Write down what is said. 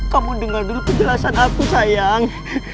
kamu dengar dulu penjelasan aku sayang